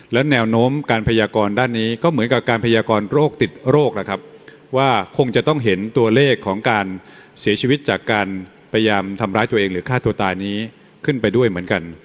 และแนวโน้มการพยากรด้านนี้ก็เหมือนกับการพยากรโรคติดโรคล่ะครับว่าคงจะต้องเห็นตัวเลขของการเสียชีวิตจากการพยายามทำร้ายตัวเองหรือฆ่าตัวตายนี้ขึ้นไปด้วยเหมือนกัน